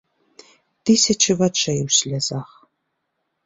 Тысячы вачэй у слязах.